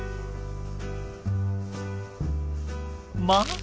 まあ！